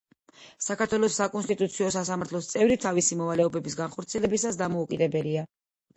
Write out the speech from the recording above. საქართველოს საკონსტიტუციო სასამართლოს წევრი თავისი მოვალეობების განხორციელებისას დამოუკიდებელია.